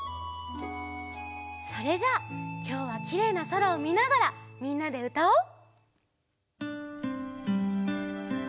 それじゃあきょうはきれいなそらをみながらみんなでうたおう！